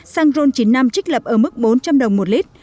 xăng ron chín mươi năm trích lập ở mức bốn trăm linh đồng một lít